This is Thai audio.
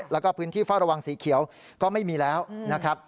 แล้วก็พื้นที่เฝ้าระวังสีเขียวก็ไม่มีแล้วนะครับ